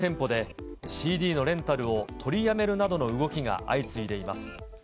またゲオでも一部店舗で、ＣＤのレンタルを取りやめるなどの動きが相次いでいます。